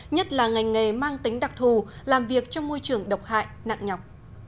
nhất là ngành nghề mang tính đặc thù làm việc trong môi trường độc hại nặng nhọc